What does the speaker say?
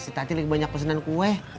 si tati lebih banyak pesenan kue